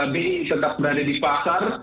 bi tetap berada di pasar